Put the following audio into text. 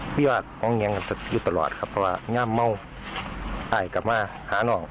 พี่ยอดมองยังอยู่ตลอดครับเพราะว่างามเมาไอกลับมาหาน้อง